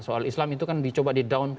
soal islam itu kan dicoba di down